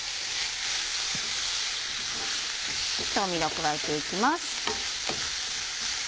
調味料を加えていきます。